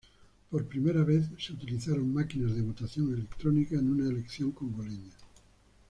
Por primera vez, se utilizaron máquinas de votación electrónica en una elección congoleña.